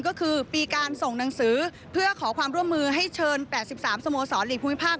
ก็คือปีการส่งหนังสือเพื่อขอความร่วมมือให้เชิญ๘๓สโมสรหลีกภูมิภาค